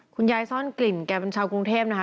คุณยายซ่อนกลิ่นแกเป็นชาวกรุงเทพนะคะ